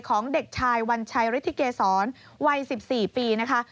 ของเด็กชายวัญชัยฤทธิเกษรวัย๑๔ปีนะคะ